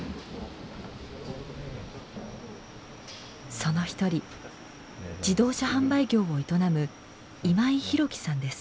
その一人自動車販売業を営む今井寛己さんです。